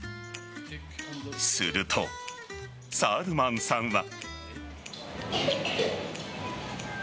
するとサルマンさんは。